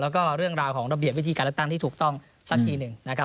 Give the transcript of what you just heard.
แล้วก็เรื่องราวของระเบียบวิธีการเลือกตั้งที่ถูกต้องสักทีหนึ่งนะครับ